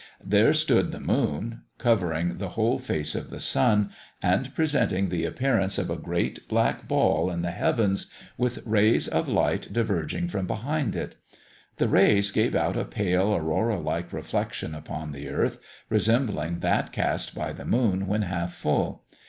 There stood the moon, covering the whole face of the sun, and presenting the appearance of a great black ball in the heavens, with rays of light diverging from behind it. The rays gave out a pale, aurora like reflection upon the earth, resembling that cast by the moon when half full.